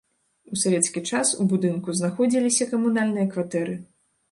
У савецкі час у будынку знаходзіліся камунальныя кватэры.